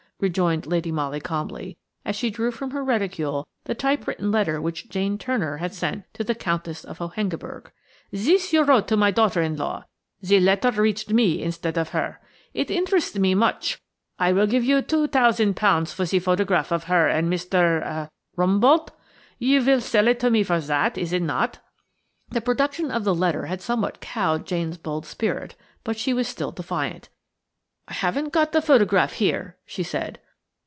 rejoined Lady Molly calmly, as she drew from her reticule the typewritten letter which Jane Turner had sent to the Countess of Hohengebirg. "Zis you wrote to my daughter in law; ze letter reached me instead of her. It interests me much. I vill give you two tousend pounds for ze photograph of her and Mr.–er–Rumboldt. You vill sell it to me for zat, is it not?" The production of the letter had somewhat cowed Jane's bold spirit. But she was still defiant. "I haven't got the photograph here," she said.